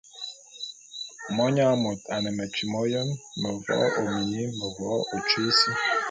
Monyang môt a ne metyi m'oyém; mevo'o ô mini, mevo'o ô tyui sí.